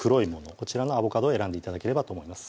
こちらのアボカドを選んで頂ければと思います